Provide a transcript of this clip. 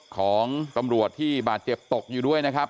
ของตำรวจที่บาดเจ็บตกอยู่ด้วยนะครับ